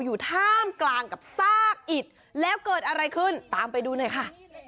อยู่ท่ามกลางกับซากอิดแล้วเกิดอะไรขึ้นตามไปดูหน่อยค่ะ